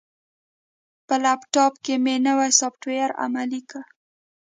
په لپټاپ کې مې نوی سافټویر عملي کړ.